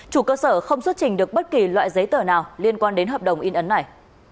chủ cơ sở không xuất trình được bất kỳ loại giấy tờ nào liên quan đến hợp đồng in ấn này